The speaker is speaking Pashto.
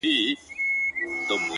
اوس مي د زړه كورگى تياره غوندي دى;